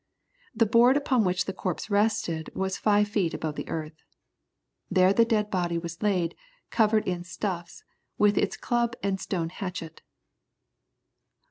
The board upon which the corpse rested was five feet above the earth. There the dead body was laid, covered in stuffs, with its club and stone hatchet.